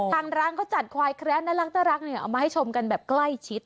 ทางร้านเขาจัดควายแคระน่ารักเอามาให้ชมกันแบบใกล้ชิด